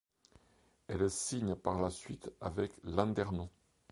Elle signe par la suite avec Landerneau.